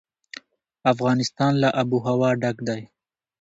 افغانستان له آب وهوا ډک دی.